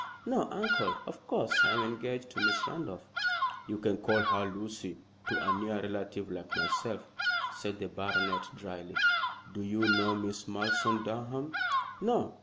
"No, uncle. Of course I am engaged to Miss Randolph." "You can call her 'Lucy' to a near relative like myself," said the baronet, dryly. "Do you know Miss Malleson, Durham?" "No.